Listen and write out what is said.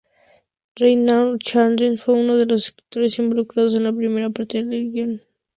Raymond Chandler fue uno de los escritores involucrados en la primera parte del guion.